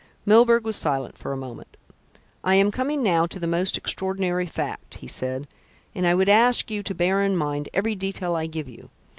Milburgh was silent for a moment. "I am coming now to the most extraordinary fact," he said, "and I would ask you to bear in mind every detail I give you.